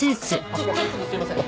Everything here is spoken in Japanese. ちょっちょっとすいません！